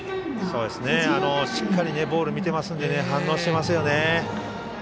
しっかりボールを見てますので反応していますよね。